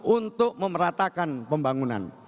untuk memeratakan pembangunan